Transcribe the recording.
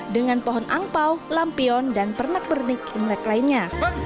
dengan pohon angpau lampion dan pernak pernik imlek lainnya